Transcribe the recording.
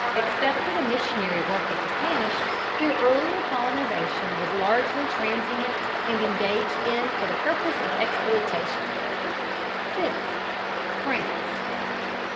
Except for the missionary work of the Spanish, their earlier colonization was largely transient and engaged in for the purpose of exploitation. 6. FRANCE.